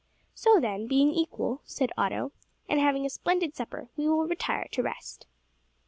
"So then, being equal," said Otto, "and having had a splendid supper, we will retire to rest."